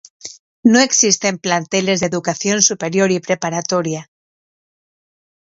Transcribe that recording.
No existen planteles de educación superior y preparatoria.